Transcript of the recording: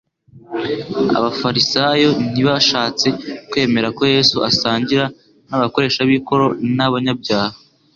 Abafarisayo ntibashatse kwemera ko Yesu asangira n'abakoresha b'ikoro n'abanyabyaha